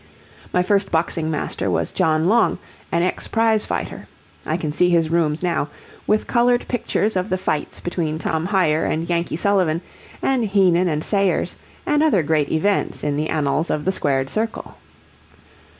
My first boxing master was John Long, an ex prize fighter. I can see his rooms now, with colored pictures of the fights between Tom Hyer and Yankee Sullivan, and Heenan and Sayers, and other great events in the annals of the squared circle.